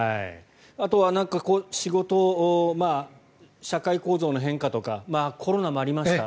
あとは仕事を社会構造の変化とかコロナもありました。